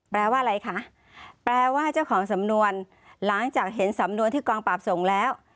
แปลว่าอะไรคะแปลว่าเจ้าของสำนวนหลังจากเห็นสำนวนที่กองปราบส่งแล้ว